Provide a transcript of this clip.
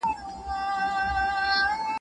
یې له ځانه سره مات کړم.